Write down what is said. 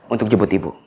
untuk jebut ibu